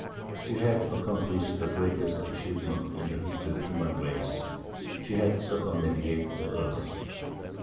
She had accomplished the greatest achievement in the history of the human race. She had circumnavigated the earth.